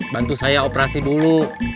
bantu saya operasi dulu